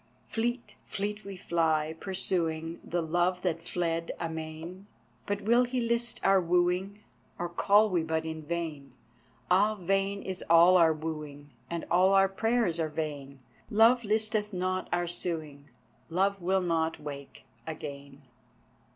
Fleet, fleet we fly, pursuing The Love that fled amain, But will he list our wooing, Or call we but in vain? Ah! vain is all our wooing, And all our prayers are vain, Love listeth not our suing, Love will not wake again.